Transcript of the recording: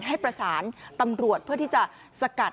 ให้ประสานตำรวจเพื่อที่จะสกัด